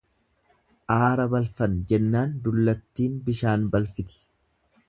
Aara balfan jennaan dullattin bishaan balfiti.